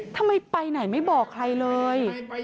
ทำไมไปไหนไม่บอกใครเลย